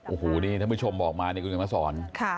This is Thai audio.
โอ้โหนี่ถ้าผู้ชมบอกมาคุณก็มาสอน